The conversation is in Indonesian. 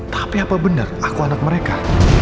tapi apa benar aku anak mereka